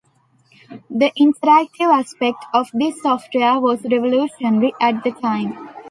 The interactive aspect of this software was revolutionary at the time.